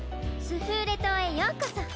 スフーレ島へようこそ。